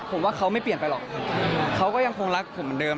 ผมว่าเขาไม่เปลี่ยนไปหรอกเขาก็ยังคงรักผมเหมือนเดิม